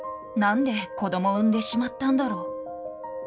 なんで子ども産んでしまったんだろう。